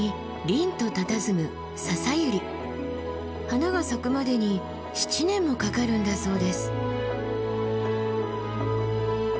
花が咲くまでに７年もかかるんだそうです。